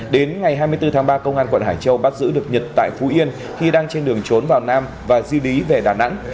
đến ngày hai mươi bốn tháng ba công an quận hải châu bắt giữ được nhật tại phú yên khi đang trên đường trốn vào nam và di lý về đà nẵng